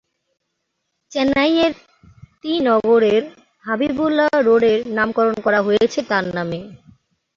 চেন্নাইয়ের টি নগরের হাবিবুল্লাহ রোডের নামকরণ করা হয়েছে তাঁর নামে।